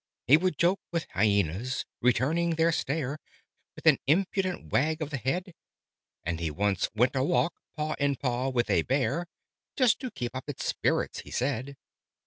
He would joke with hyenas, returning their stare With an impudent wag of the head: And he once went a walk, paw in paw, with a bear, "Just to keep up its spirits," he said.